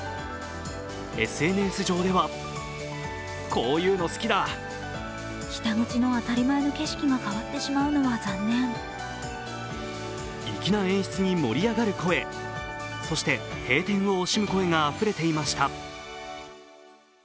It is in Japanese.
ＳＮＳ上では粋な演出に盛り上がる声そして閉店を惜しむ声があふれていました。